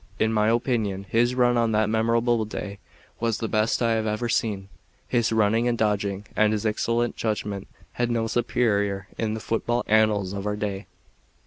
In my opinion his run on that memorable day was the best I have ever seen. His running and dodging and his excellent judgment had no superior in the football annals of our day.